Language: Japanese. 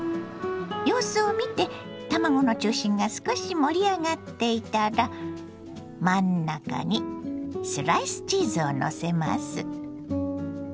様子を見て卵の中心が少し盛り上がっていたら真ん中にスライスチーズをのせます。